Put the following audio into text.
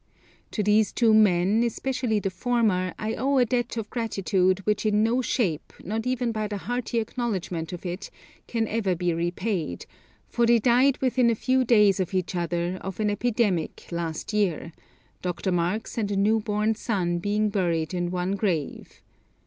To these two men, especially the former, I owe a debt of gratitude which in no shape, not even by the hearty acknowledgment of it, can ever be repaid, for they died within a few days of each other, of an epidemic, last year, Dr. Marx and a new born son being buried in one grave.